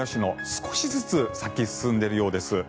少しずつ咲き進んでいるようです。